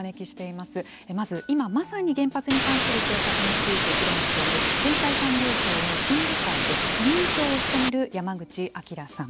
まず、今まさに原発に関する政策について議論している経済産業省の審議会で委員長を務める山口彰さん